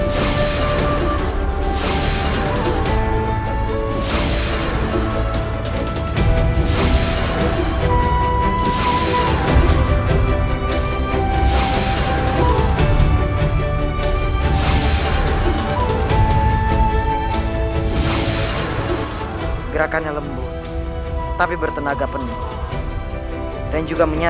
silwangi biar aku yang menangkapnya